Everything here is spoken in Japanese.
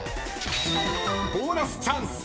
［ボーナスチャンス！］